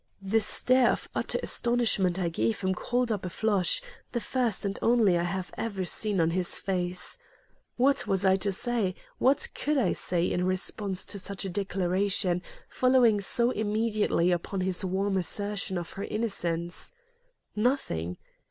The stare of utter astonishment I gave him called up a flush, the first and only one I have ever seen on his face. What was I to say, what could I say, in response to such a declaration, following so immediately upon his warm assertion of her innocence? Nothing.